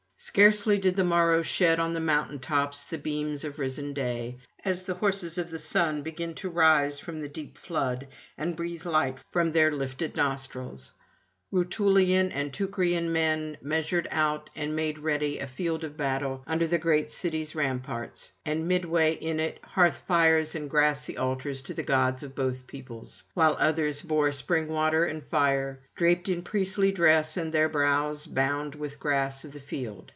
Scarcely did the morrow shed on the mountain tops the beams of risen day, as the horses of the sun begin to rise from the deep flood and breathe light from their lifted nostrils; Rutulian and Teucrian men measured out and made ready a field of battle under the great city's ramparts, and midway in it hearth fires and grassy altars to the gods of both peoples; while others bore spring water and fire, draped in priestly dress and their brows bound with grass of the field.